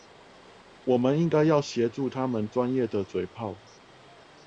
我們應該要協助他們專業的嘴砲